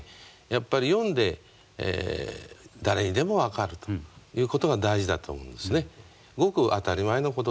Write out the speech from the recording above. やっぱり読んで誰にでも分かるということが大事だと思うんですね。